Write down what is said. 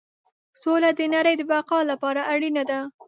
سوله د نړۍ د بقا لپاره اړینه ده.